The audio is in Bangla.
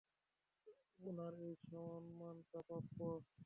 উনার এই সম্মানটা প্রাপ্য।